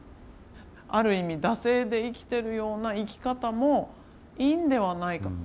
ある意味惰性で生きてるような生き方もいいんではないか。